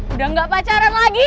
udah enggak pacaran lagi